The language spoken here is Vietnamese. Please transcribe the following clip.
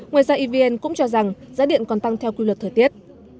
ngoài ra evn cũng cho rằng giá điện còn tăng theo quy luật thời tiết